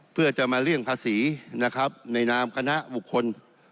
เพื่อจะมาเลี่ยงภาษีในคณะบุคคล